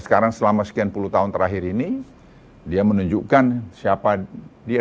sekarang selama sekian puluh tahun terakhir ini dia menunjukkan siapa dia